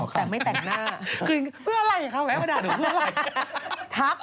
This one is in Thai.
เพื่ออะไรคำแวะมาด่าหนูเพื่ออะไร